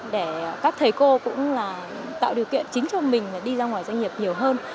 để các thầy cô cũng là tạo điều kiện chính cho mình đi ra ngoài doanh nghiệp nhiều hơn